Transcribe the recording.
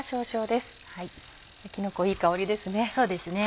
キノコいい香りですね。